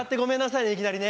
いきなりね。